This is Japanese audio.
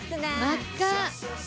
真っ赤。